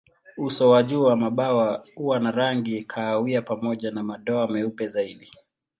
Uso wa juu wa mabawa huwa na rangi kahawia pamoja na madoa meupe zaidi.